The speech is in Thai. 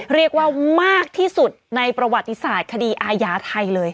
เรียกว่ามากที่สุดในประวัติศาสตร์คดีอาญาไทยเลย